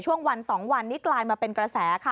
ช่วงวัน๒วันนี้กลายมาเป็นกระแสค่ะ